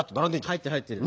入ってる入ってる。